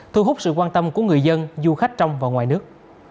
thu hút sự quan tâm của người dân du khách trong và ngoài nước